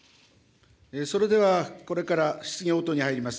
それでは、これから質疑応答に入ります。